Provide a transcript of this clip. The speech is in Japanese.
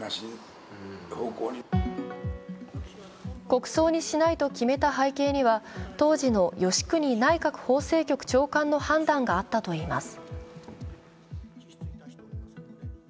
国葬にしないと決めた背景には当時の吉国内閣法制局長官の判断があったといいます。